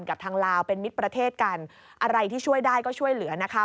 กับทางลาวเป็นมิตรประเทศกันอะไรที่ช่วยได้ก็ช่วยเหลือนะคะ